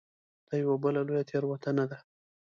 دا یوه بله لویه تېروتنه ده.